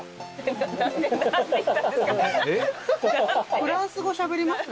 フランス語しゃべりました？